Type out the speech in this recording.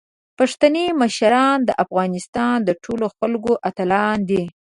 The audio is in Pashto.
پښتني مشران د افغانستان د ټولو خلکو اتلان دي.